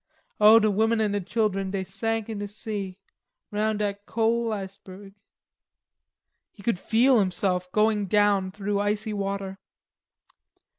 "O de women an' de chilen dey sank in de sea, Roun" dat cole iceberg." He could feel himself going down through icy water.